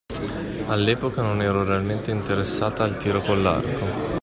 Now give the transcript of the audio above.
All'epoca non ero realmente interessata al tiro con l'arco.